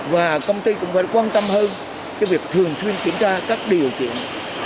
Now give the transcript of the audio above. và công ty cũng phải quan tâm hơn việc thường xuyên kiểm tra các điều kiện